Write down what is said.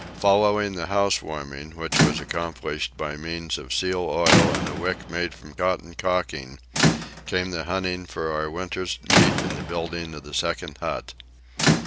Following the housewarming, which was accomplished by means of seal oil and a wick made from cotton calking, came the hunting for our winter's meat and the building of the second hut.